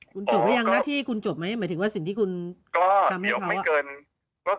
คุณจบยังที่คุณจบไหมหมายถึงสิ่งที่คุณทำให้เขา